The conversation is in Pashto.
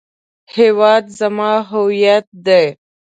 هیواد زما هویت دی